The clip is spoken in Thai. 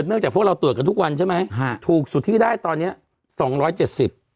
จากพวกเราตรวจกันทุกวันใช่ไหมฮะถูกสุดที่ได้ตอนเนี้ยสองร้อยเจ็ดสิบ